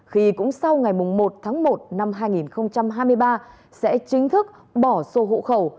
khi cũng sau ngày một tháng một năm hai nghìn hai mươi ba sẽ chính thức bỏ số hộ khẩu